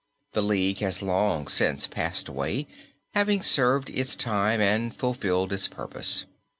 The league has long since passed away having served its time and fulfilled its purpose.